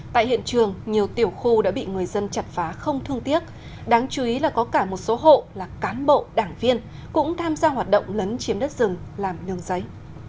tại hiện trường nhiều tiểu khu đã bị người dân chặt phá không thương tiếc đáng chú ý là có cả một số hộ là cán bộ đảng viên cũng tham gia hoạt động lấn chiếm đất rừng làm nương giấy